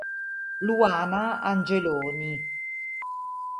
Luana Angeloni